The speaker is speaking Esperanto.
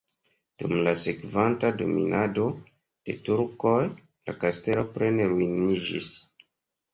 Dum la sekvanta dominado de turkoj la kastelo plene ruiniĝis.